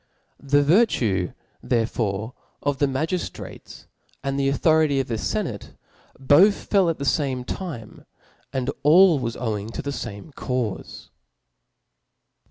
The vinue therefd^ of (he magiftrates, and the autho rity 6f the fenate» Jboth fell at die fanle time ; and all was owing to the fame caufe.